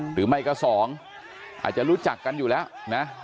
หรือไม่ก็สองอาจจะรู้จักกันอยู่แล้วนะ